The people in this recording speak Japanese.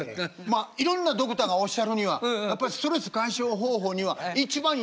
まあいろんなドクターがおっしゃるにはやっぱりストレス解消方法には一番いいのは笑いなさい。